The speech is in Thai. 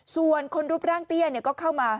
ส่วนคนรูปร่างเตี้ยก็เข้ามา